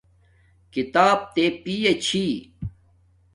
کھیتاپ تے پݵے چھی